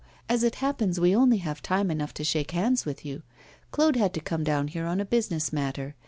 As it happens, we only have time enough to shake hands with you. Claude had to come down here on a business matter.